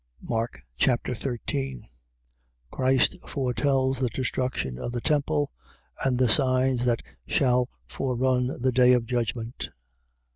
Mark Chapter 13 Christ foretells the destruction of the temple and the signs that shall forerun the day of judgment.